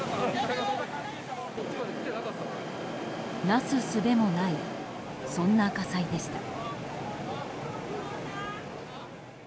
なすすべもないそんな火災でした。